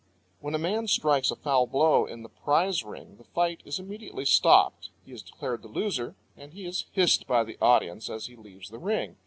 When a man strikes a foul blow in the prize ring the fight is immediately stopped, he is declared the loser, and he is hissed by the audience as he leaves the ring.